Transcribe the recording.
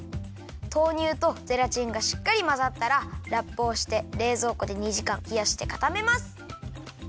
豆乳とゼラチンがしっかりまざったらラップをしてれいぞうこで２じかんひやしてかためます。